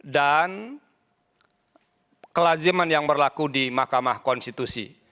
dan kelaziman yang berlaku di mahkamah konstitusi